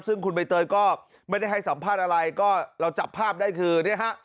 ซึ่งคุณใบเตยก็ไม่ได้ให้สัมภาษณ์อะไรก็เราจับภาพได้คือเนี่ยฮะ